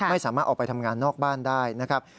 ไม่สามารถออกไปทำงานนอกบ้านได้นะครับ